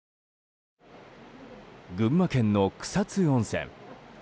群馬県の草津温泉。